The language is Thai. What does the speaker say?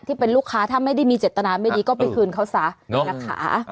ที่เป็นลูกค้าถ้าไม่ได้มีเจตนาไม่ดีก็ไปพูดเข้าสารของรถค่ะ